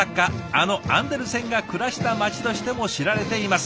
あのアンデルセンが暮らした街としても知られています。